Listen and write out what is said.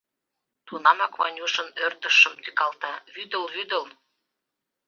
Тунамак Ванюшын ӧрдыжшым тӱкалта: «Вӱдыл, вӱдыл!»